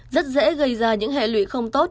rất dễ gây ra những hệ lụy không tốt